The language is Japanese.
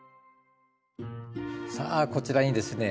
さあこちらにですね